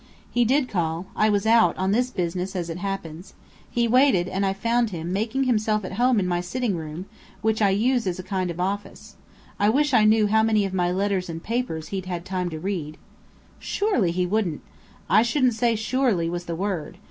"He did call. I was out on this business, as it happens. He waited, and I found him, making himself at home in my sitting room which I use as a kind of office. I wish I knew how many of my letters and papers he'd had time to read." "Surely he wouldn't " "I shouldn't say 'surely' was the word.